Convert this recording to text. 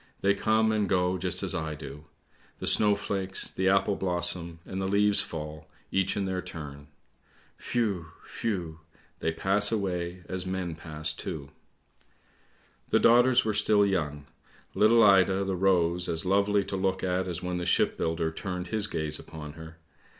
They come and go just as I do. The snowflakes, the apple blossom, and the leaves fall, each in their turn. Whew! whew! they pass away, as men pass too! " The daughters were still young. Little Ida, the rose, as lovely to look at as when the shipbuilder turned his gaze upon her.